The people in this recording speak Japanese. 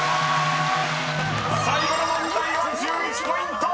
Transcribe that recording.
［最後の問題は１１ポイント！］